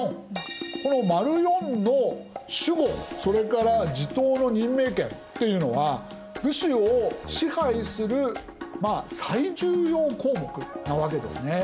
この④の守護それから地頭の任命権っていうのは武士を支配する最重要項目なわけですね。